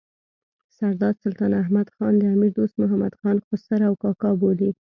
سردار سلطان احمد خان د امیر دوست محمد خان خسر او کاکا بولي.